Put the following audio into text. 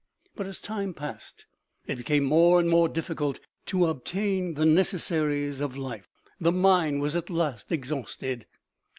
But as time passed, it became more and more difficult to obtain the necessaries of life. The mine was at last exhausted.